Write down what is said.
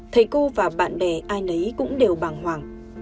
thầy cô và bạn bè ai nấy cũng đều bàng hoàng